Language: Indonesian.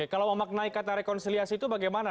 kalau memaknai kata rekonsiliasi itu bagaimana